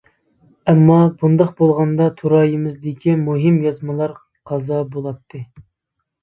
ئەمما، بۇنداق بولغاندا تۇرايىمىزدىكى مۇھىم يازمىلار قازا بولاتتى.